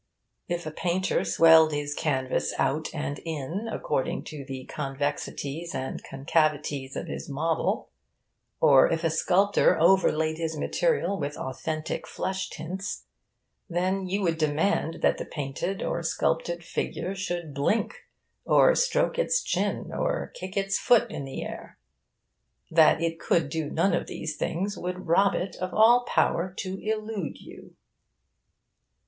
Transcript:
If a painter swelled his canvas out and in according to the convexities and concavities of his model, or if a sculptor overlaid his material with authentic flesh tints, then you would demand that the painted or sculptured figure should blink, or stroke its chin, or kick its foot in the air. That it could do none of these things would rob it of all power to illude you.